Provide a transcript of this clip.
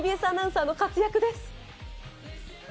ＴＢＳアナウンサーの活躍です。